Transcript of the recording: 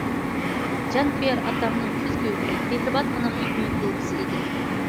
جان كۆيەر ئاتامنىڭ كۆز گۆھىرى، مېھرىبان ئانامنىڭ ئۈمىد يۇلتۇزى ئىدىم.